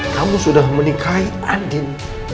kamu sudah menikahi andin